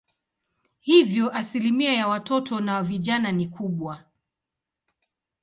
Hivyo asilimia ya watoto na vijana ni kubwa.